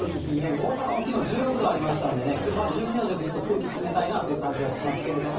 大阪もきのう１６度ありましたんで、きょう、１２度でも空気冷たいなという感じしますけど。